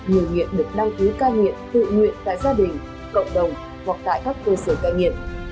người nghiện được đăng ký cai nghiện tự nguyện tại gia đình cộng đồng hoặc tại các cơ sở cai nghiện